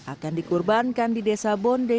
akan dikurbankan di desa bonde